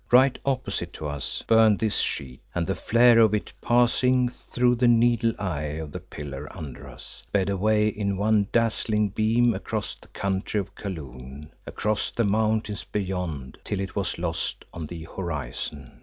Right opposite to us burned this sheet and, the flare of it passing through the needle eye of the pillar under us, sped away in one dazzling beam across the country of Kaloon, across the mountains beyond, till it was lost on the horizon.